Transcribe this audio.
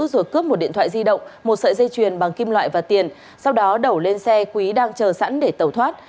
rồi cướp một điện thoại di động một sợi dây chuyền bằng kim loại và tiền sau đó đổ lên xe quý đang chờ sẵn để tẩu thoát